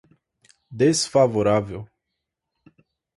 desfavorável